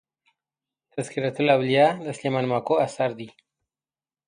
تذکرة الاولياء د سلېمان ماکو اثر دئ.